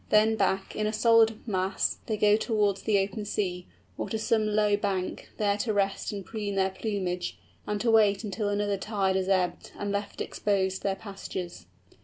Then back, in a solid mass, they go towards the open sea, or to some low bank, there to rest and preen their plumage, and to wait until another tide has ebbed, and left exposed their pastures.